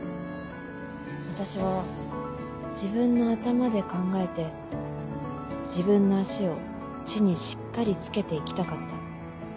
私は自分の頭で考えて自分の足を地にしっかりつけて生きたかった。